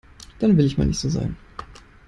Dann will ich mal nicht so sein.